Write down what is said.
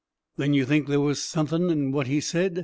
"Then you think there was suthin' in what he said?"